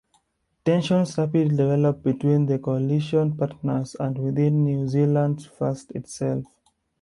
Tensions rapidly developed between the coalition partners and within New Zealand First itself.